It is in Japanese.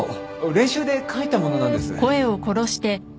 練習で書いたものなんです。